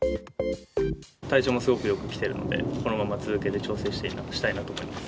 体調もすごくよくきてるので、このまま続けて調整したいなと思います。